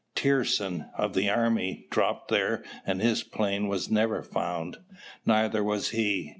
Trierson of the army, dropped there and his plane was never found. Neither was he.